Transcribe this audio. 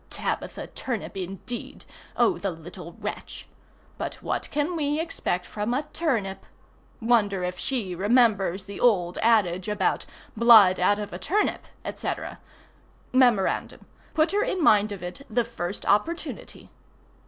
Tabitha Turnip indeed! Oh the little wretch! But what can we expect from a turnip? Wonder if she remembers the old adage about "blood out of a turnip," &c.? [Mem. put her in mind of it the first opportunity.